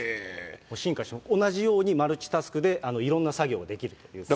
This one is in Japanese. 進化して、同じようにマルチタスクで、いろんな作業ができるということです